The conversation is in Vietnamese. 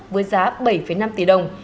với giá bảy năm tỷ đồng